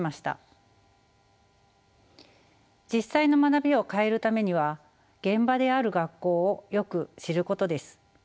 実際の学びを変えるためには現場である学校をよく知ることです。